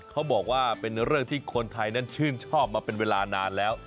เขาบอกว่าเป็นเรื่องที่คนไทยนั้นชื่นชอบมาเป็นเวลานานแล้ว